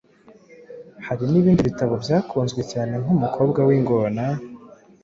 hari n’ibindi bitabo byakunzwe cyane nk’umukobwa w’ingona